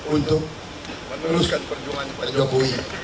untuk menuluskan perjuangan pak jokowi